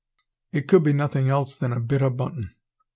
It could be nothing else than a "bit o' buntin'."